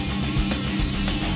terima kasih chandra